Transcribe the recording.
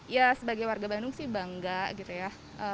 ya sebagai warga bandung sih bangga gitu ya